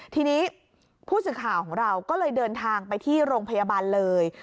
ทีนี้ผู้สื่อข่าวของเราก็เลยเดินทางไปที่โรงพยาบาลเลย